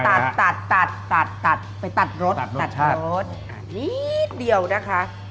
ตัดตัดตัดตัดตัดตัดไปตัดรถตัดรถนิดเดียวนะคะ